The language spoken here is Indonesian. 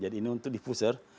jadi ini untuk diffuser